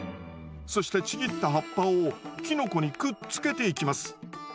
そしてちぎった葉っぱをキノコにくっつけていきます。